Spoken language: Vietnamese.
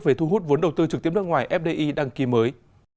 về thu hút vốn đầu tư trực tiếp nước ngoài fdi đăng ký mới